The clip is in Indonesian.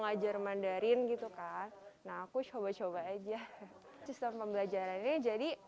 ngajar mandarin gitu kan nah aku coba coba aja sistem pembelajarannya jadi